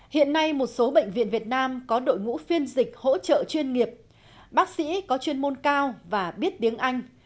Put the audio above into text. hiện nay một số bệnh viện việt nam có đội ngũ phiên dịch hỗ trợ chuyên nghiệp bác sĩ có chuyên môn cao và biết tiếng anh